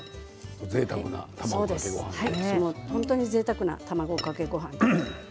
ぜいたくな卵かけごはんですね。